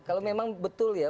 kalau memang betul ya